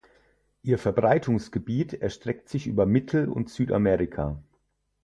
Ihr Verbreitungsgebiet erstreckt sich über Mittel- und Südamerika.